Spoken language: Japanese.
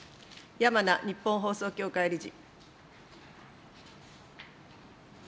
山名日本放送協会理事。